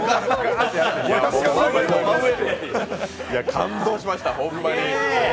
感動しました、ホンマに。